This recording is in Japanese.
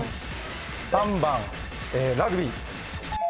３番ラグビー。